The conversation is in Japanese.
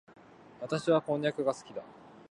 私はこんにゃくが好きだ。